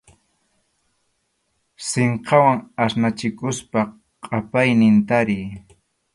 Sinqawan asnachikuspa qʼapaynin tariy.